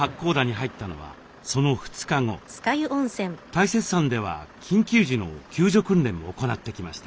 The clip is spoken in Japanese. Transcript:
大雪山では緊急時の救助訓練も行ってきました。